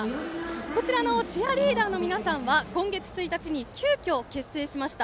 こちらのチアリーダーの皆さんは今月１日に急きょ結成しました。